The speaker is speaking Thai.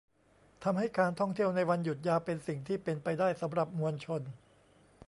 ทำให้การท่องเที่ยวในวันหยุดยาวเป็นสิ่งที่เป็นไปได้สำหรับมวลชน